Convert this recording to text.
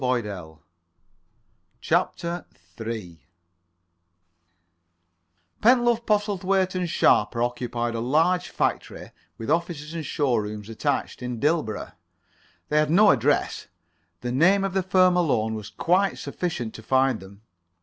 [Pg 10 11] CHAPTER III 1 Pentlove, Postlethwaite and Sharper occupied a large factory, with offices and showroom attached, in Dilborough. They had no address. The name of the firm alone was quite sufficient to find them.